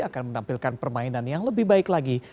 akan menampilkan permainan yang lebih baik lagi